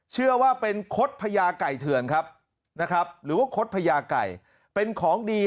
เชื่อว่าเป็นคดพญาไก่เถื่อนครับนะครับหรือว่าคดพญาไก่เป็นของดี